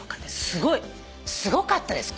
すごい。すごかったです